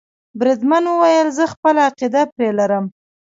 بریدمن وویل زه خپله عقیده پرې لرم.